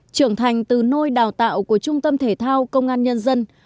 trưởng thành từ nơi đào tạo của trung tâm thể thao công an nhân dân